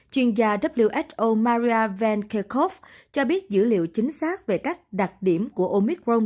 chuyên gia who maria van kerkhove cho biết dữ liệu chính xác về các đặc điểm của omicron